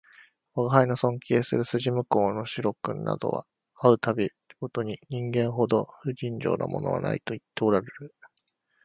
吾輩の尊敬する筋向こうの白君などは会う度毎に人間ほど不人情なものはないと言っておらるる